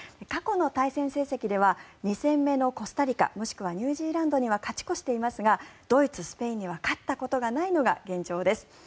過去の対戦成績では２戦目のコスタリカもしくはニュージーランドには勝ち越していますがドイツ、スペインには勝ったことがないのが現状です。